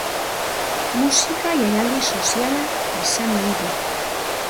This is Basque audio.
Musika jaialdi soziala izan nahi du.